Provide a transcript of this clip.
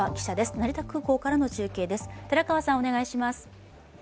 成田空港からの中継です。